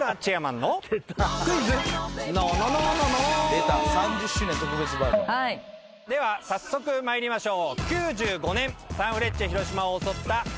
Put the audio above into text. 「出た３０周年特別バージョン」「はい」では早速参りましょう。